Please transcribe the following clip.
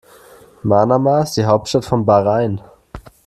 Manama ist die Hauptstadt von Bahrain.